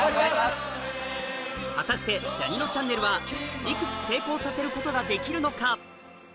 果たしてジャにのチャンネルはいくつ成功させることができるのか？